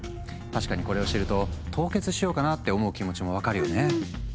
確かにこれを知ると凍結しようかなって思う気持ちも分かるよね。